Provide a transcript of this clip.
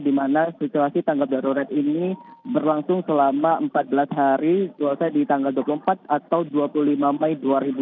di mana situasi tanggap darurat ini berlangsung selama empat belas hari selesai di tanggal dua puluh empat atau dua puluh lima mei dua ribu dua puluh